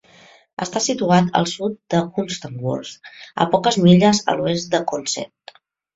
Està situat al sud de Hunstanworth, a poques milles a l'oest de Consett.